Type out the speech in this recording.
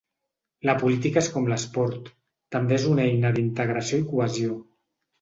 La política és com l’esport, també és una eina d’integració i cohesió.